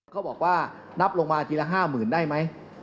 เขาบอกว่านับลงมาทีละ๕๐๐๐ได้ไหม